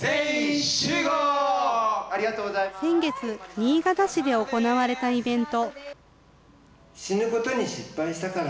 新潟市で行われたイベント。